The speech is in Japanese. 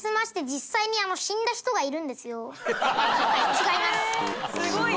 違います。